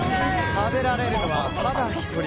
食べられるのはただ１人。